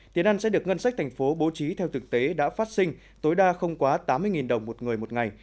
tiền ăn sẽ được ngân sách thành phố bố trí theo thực tế đã phát sinh tối đa không quá tám mươi đồng một người một ngày